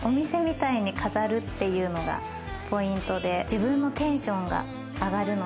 自分のテンションが上がるので。